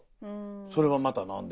それはまた何で？